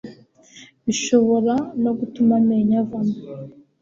bishobora no gutuma amenyo avamo